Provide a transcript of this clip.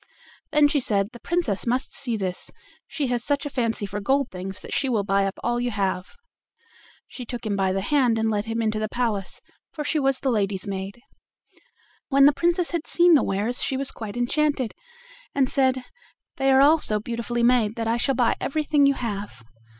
Then she said: "The Princess must see this, she has such a fancy for gold things that she will buy up all you have." She took him by the hand and let him into the palace, for she was the lady's maid. When the Princess had seen the wares she was quite enchanted, and said: "They are all so beautifully made that I shall buy everything you have."